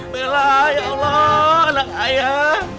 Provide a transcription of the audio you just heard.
bela ya allah anak ayah